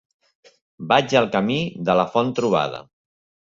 Vaig al camí de la Font-trobada.